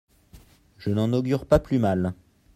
Je n'en augure pas plus mal.